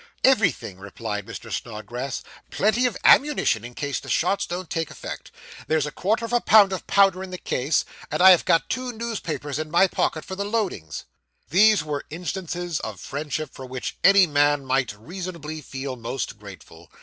'Everything,' replied Mr. Snodgrass; 'plenty of ammunition, in case the shots don't take effect. There's a quarter of a pound of powder in the case, and I have got two newspapers in my pocket for the loadings.' These were instances of friendship for which any man might reasonably feel most grateful.